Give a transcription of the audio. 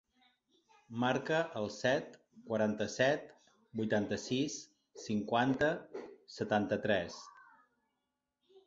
Marca el set, quaranta-set, vuitanta-sis, cinquanta, setanta-tres.